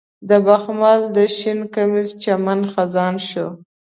د بخمل د شین کمیس چمن خزان شو